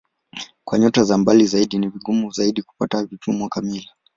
Kwa nyota za mbali zaidi ni vigumu zaidi kupata vipimo kamili.